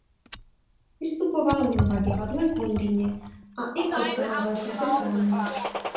Vystupoval v mnoha divadlech v Londýně a i po celé Velké Británii.